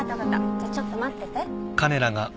じゃあちょっと待ってて。